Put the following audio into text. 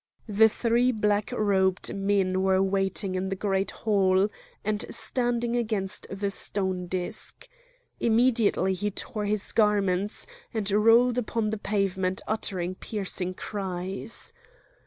The three black robed men were waiting in the great hall, and standing against the stone disc. Immediately he tore his garments, and rolled upon the pavement uttering piercing cries.